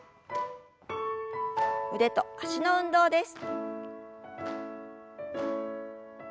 腕と脚の運動です。